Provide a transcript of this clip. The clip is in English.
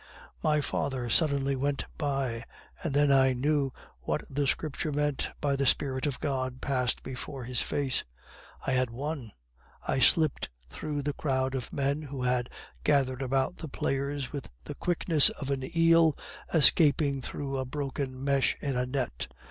"My father suddenly went by, and then I knew what the Scripture meant by 'The Spirit of God passed before his face.' I had won. I slipped through the crowd of men who had gathered about the players with the quickness of an eel escaping through a broken mesh in a net.